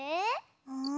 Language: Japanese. うん？